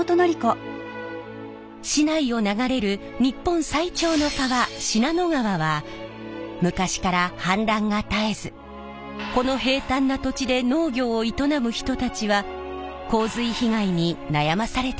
市内を流れる日本最長の川信濃川は昔から氾濫が絶えずこの平たんな土地で農業を営む人たちは洪水被害に悩まされてきました。